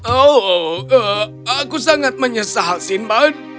oh aku sangat menyesal simbad